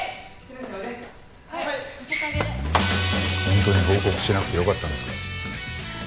本当に報告しなくてよかったんですか？